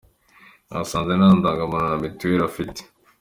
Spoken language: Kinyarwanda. Basanze nta ndangamuntu na mitiweri afite.